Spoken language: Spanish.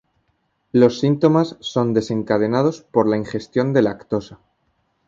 Los síntomas son desencadenados por la ingestión de lactosa.